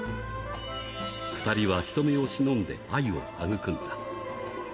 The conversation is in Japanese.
２人は人目を忍んで愛を育んだ。